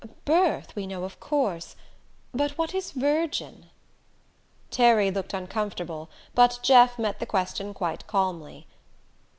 "Birth, we know, of course; but what is virgin?" Terry looked uncomfortable, but Jeff met the question quite calmly.